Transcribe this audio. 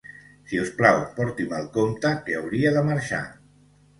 Si us plau, porti'm el compte, que hauria de marxar.